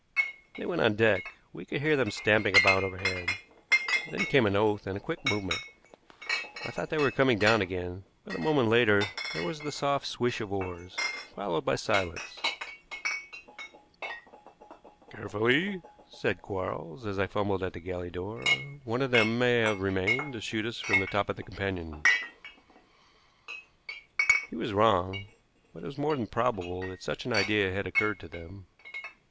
They went on deck, we could hear them stamping about overhead. Then came an oath, and a quick movement. I thought they were coming down again, but a moment later there was the soft swish of oars, followed by silence. "Carefully!" said Quarles, as I fumbled at the galley door. "One of them may have remained to shoot us from the top of the companion." He was wrong, but it was more than probable that such an idea had occurred to them.